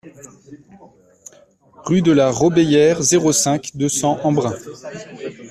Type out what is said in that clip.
Rue de la Robéyère, zéro cinq, deux cents Embrun